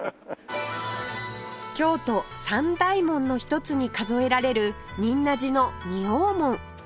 京都三大門の一つに数えられる仁和寺の二王門